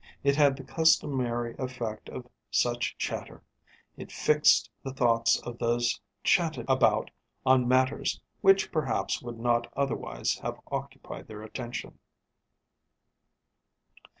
It had the customary effect of such chatter; it fixed the thoughts of those chatted about on matters which perhaps would not otherwise have occupied their attention.